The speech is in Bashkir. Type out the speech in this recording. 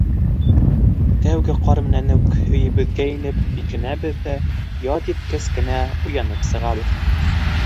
Тәүге ҡар менән үк өйөбөҙгә инеп бикләнәбеҙ ҙә яҙ еткәс кенә уянып сығабыҙ.